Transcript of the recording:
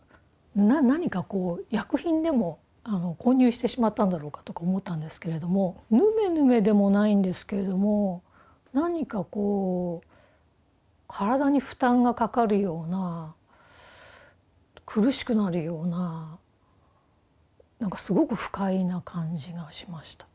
何か薬品でも混入してしまったんだろうか」とか思ったんですけれどもヌメヌメでもないんですけれども何かこう体に負担がかかるような苦しくなるような何かすごく不快な感じがしました。